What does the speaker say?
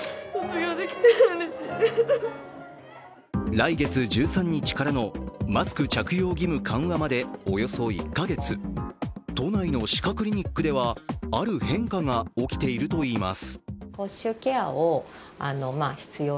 来月１３日からのマスク着用義務緩和まで、およそ１か月、都内の歯科クリニックではある変化が起きているといいます。